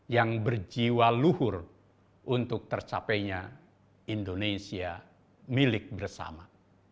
yang berjiwa luhur untuk tercapainya indonesia milik bersama